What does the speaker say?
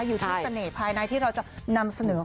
อยู่ที่เสน่ห์ภายในที่เราจะนำเสนอ